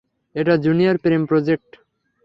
এটা junior Prem project.